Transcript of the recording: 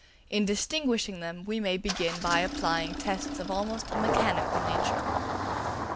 In distinguishing them we may begin by applying tests of almost a mechanical nature.